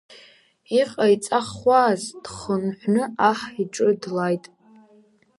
Иҟаиҵахуаз дхынҳәны аҳ иҿы длаит.